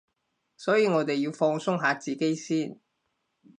所以我哋要放鬆下自己先